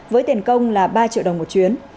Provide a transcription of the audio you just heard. với tiền công là ba triệu đồng một chuyến